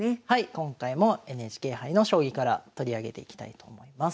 今回もＮＨＫ杯の将棋から取り上げていきたいと思います。